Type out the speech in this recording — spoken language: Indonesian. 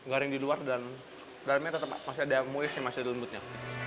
garing di luar dan dalamnya tetep masih ada yang muis dan masih ada lembutnya